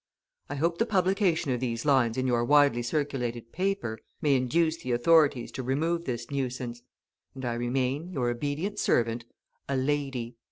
I hope the publication of these lines in your widely circulated paper may induce the authorities to remove this nuisance; and I remain, Your obedient servant, "A LADY."